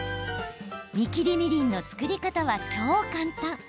煮きりみりんの作り方は超簡単。